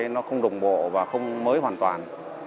nó không đồng bộ và không mới hoàn toàn